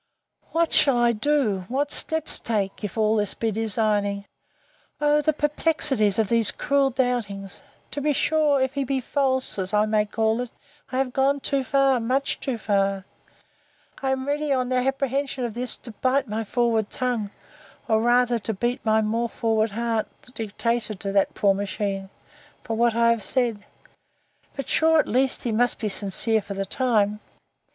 What shall I do, what steps take, if all this be designing—O the perplexities of these cruel doubtings!—To be sure, if he be false, as I may call it, I have gone too far, much too far!—I am ready, on the apprehension of this, to bite my forward tongue (or rather to beat my more forward heart, that dictated to that poor machine) for what I have said. But sure, at least, he must be sincere for the time!